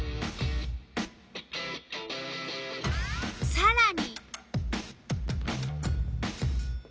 さらに。